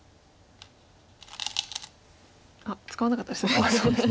あっ使わなかったですね。